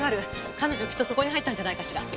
彼女きっとそこに入ったんじゃないかしら？